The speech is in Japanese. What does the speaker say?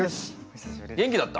元気だった？